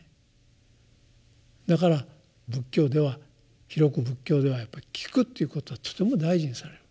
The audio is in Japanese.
だから仏教では広く仏教ではやっぱり「聞く」ということはとても大事にされる。